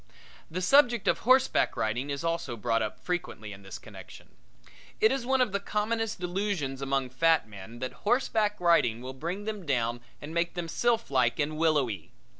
The subject of horseback riding is also brought up frequently in this connection. It is one of the commonest delusions among fat men that horseback riding will bring them down and make them sylphlike and willowy.